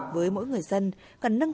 với mỗi người dân